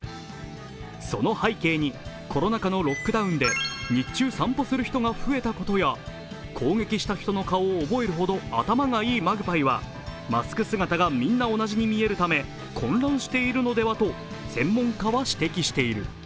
その背景に、コロナ禍のロックダウンで日中、散歩する人が増えたことや攻撃した人の顔を覚えるほど頭がいいマグパイはマスク姿がみんな同じに見えるため混乱しているのではと専門家は指摘している。